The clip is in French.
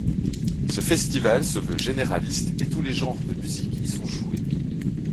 Ce festival se veut généraliste et tous les genres de musique y sont joués.